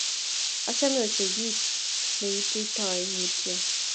Achome ochei kiit ne wetitoi mutyo.